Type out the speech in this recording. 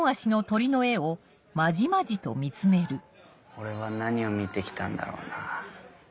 俺は何を見てきたんだろうな。